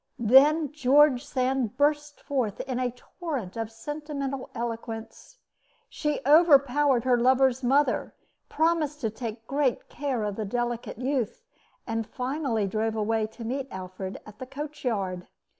Then George Sand burst forth in a torrent of sentimental eloquence. She overpowered her lover's mother, promised to take great care of the delicate youth, and finally drove away to meet Alfred at the coach yard.